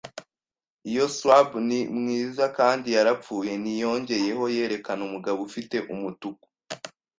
iyo swab, ni mwiza kandi yarapfuye, ni, "yongeyeho, yerekana umugabo ufite umutuku